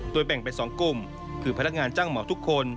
โดยแบ่งไปสองกลุ่มคือพลักงานจังหมอทุกคน